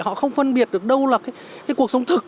họ không phân biệt được đâu là cái cuộc sống thực